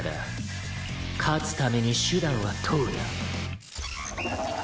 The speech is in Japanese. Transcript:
「勝つために手段は問うな」